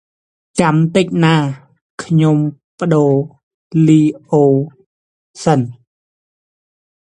ចាំតិចណា៎ ខ្ញុំផ្ដូរលីអូសិន។